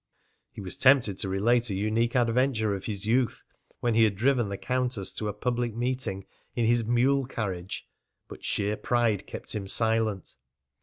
He was tempted to relate a unique adventure of his youth, when he had driven the countess to a public meeting in his mule carriage; but sheer pride kept him silent.